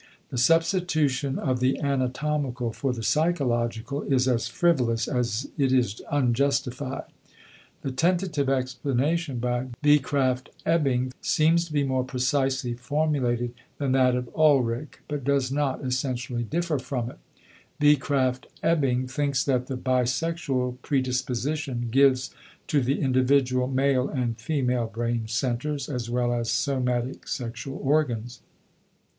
The substitution of the anatomical for the psychological is as frivolous as it is unjustified. The tentative explanation by v. Krafft Ebing seems to be more precisely formulated than that of Ulrich but does not essentially differ from it. v. Krafft Ebing thinks that the bisexual predisposition gives to the individual male and female brain centers as well as somatic sexual organs.